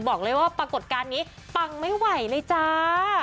ปรากฏการณ์นี้ปังไม่ไหวเลยจ้า